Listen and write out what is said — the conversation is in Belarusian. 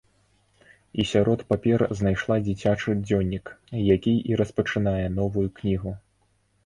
І сярод папер знайшла дзіцячы дзённік, які і распачынае новую кнігу!